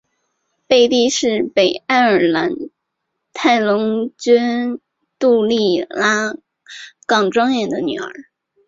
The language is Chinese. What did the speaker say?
贝蒂是北爱尔兰泰隆郡杜利拉冈庄园的女儿。